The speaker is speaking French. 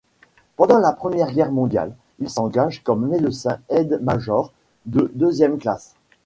Pendant la Première Guerre mondiale, il s'engage comme médecin aide-major de deuxième classe.